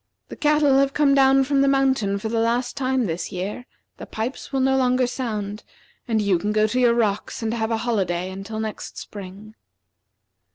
The cattle have come down from the mountain for the last time this year, the pipes will no longer sound, and you can go to your rocks and have a holiday until next spring."